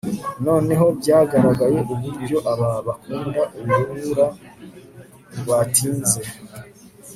Noneho byagaragaye uburyo aba bakunda urubura rwatinze